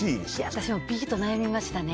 私もＢと悩みました。